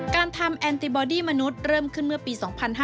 การทำแอนติบอดี้มนุษย์เริ่มขึ้นเมื่อปี๒๕๕๙